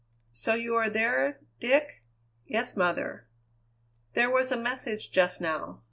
"So you are there, Dick?" "Yes, mother." "There was a message just now.